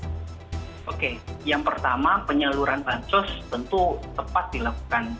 oke yang pertama penyaluran bansos tentu tepat dilakukan